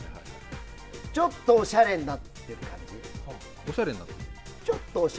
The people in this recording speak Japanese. ちょっとおしゃれになってる感じ。